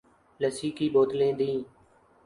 لسی کی بوتلیں دی ۔